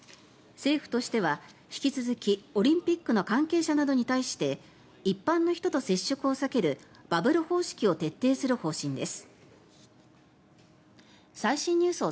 政府としては引き続きオリンピックの関係者などに対して一般の人と接触を避けるバブル方式を徹底する方針です。